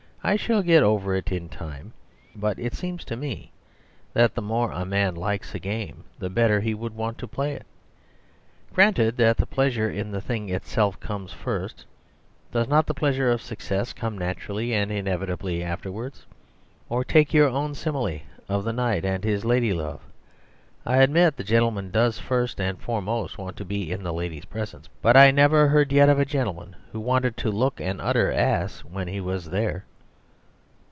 "I shall get over it in time. But it seems to me that the more a man likes a game the better he would want to play it. Granted that the pleasure in the thing itself comes first, does not the pleasure of success come naturally and inevitably afterwards? Or, take your own simile of the Knight and his Lady love. I admit the gentleman does first and foremost want to be in the lady's presence. But I never yet heard of a gentleman who wanted to look an utter ass when he was there."